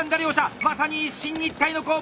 まさに一進一退の攻防！